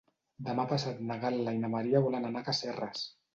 Demà passat na Gal·la i na Maria volen anar a Casserres.